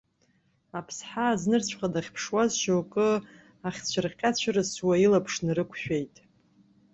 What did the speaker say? Аԥсҳа аӡнырцәҟа дахьԥшуаз шьоук ахьцәырҟьа-цәырасуаз илаԥш нарықәшәеит.